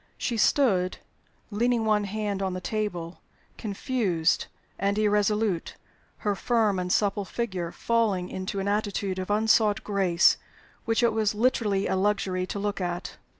She stood, leaning one hand on the table, confused and irresolute, her firm and supple figure falling into an attitude of unsought grace which it was literally a luxury to look at.